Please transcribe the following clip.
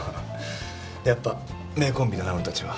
やっぱ名コンビだな俺たちは。